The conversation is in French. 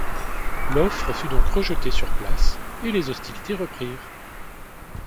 L'offre fut donc rejetée sur place et les hostilités reprirent.